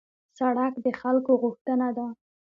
سړک د خلکو غوښتنه ده.